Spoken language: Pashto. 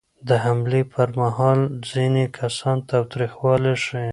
د حملې پر مهال ځینې کسان تاوتریخوالی ښيي.